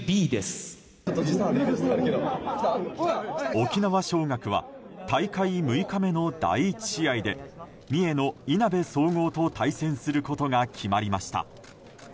沖縄尚学は大会６日目の第１試合で三重のいなべ総合と対戦することが決まりました。